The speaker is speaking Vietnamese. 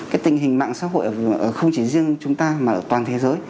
cái tình hình mạng xã hội không chỉ riêng chúng ta mà ở toàn thế giới